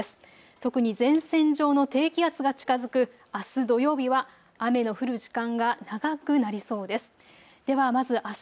特に前線上の低気圧が近づくあす土曜日は雨の降る時間が長くなりそうです。